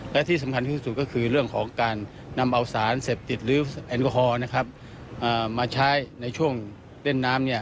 และที่สำคัญที่สุดก็คือเรื่องของการนำเอาสารเสพติดหรือแอลกอฮอล์นะครับมาใช้ในช่วงเล่นน้ำ